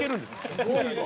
すごいわ！